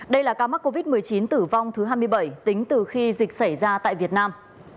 đây là ca mắc covid một mươi chín tử vong thứ hai mươi bảy tính từ khi dịch xảy ra tại việt nam